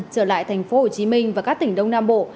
trở lại thành phố hồ chí minh và các tỉnh đông nam bộ